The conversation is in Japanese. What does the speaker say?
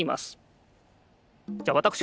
じゃあわたくし